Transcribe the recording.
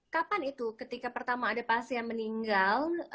kapan itu ketika pertama ada pasien meninggal